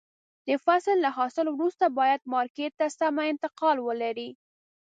د فصل له حاصل وروسته باید مارکېټ ته سمه انتقال ولري.